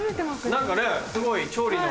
何かねすごい調理の。